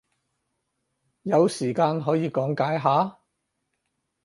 有時間可以講解下？